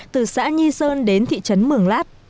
từ xã nhi sơn đến thị trấn mường lát